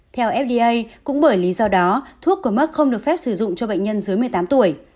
theo fda cũng bởi lý do đó thuốc của mc không được phép sử dụng cho bệnh nhân dưới một mươi tám tuổi